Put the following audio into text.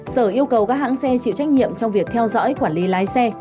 sở yêu cầu các hãng xe chịu trách nhiệm trong việc theo dõi quản lý lái xe